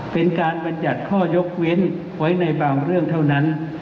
เป็นการบรรยัติข้อยกเว้นไว้ในบางเรื่องเท่านั้น